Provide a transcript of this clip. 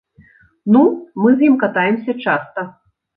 Ну, мы з ім катаемся часта.